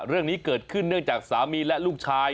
เรื่องนี้เกิดขึ้นเนื่องจากสามีและลูกชาย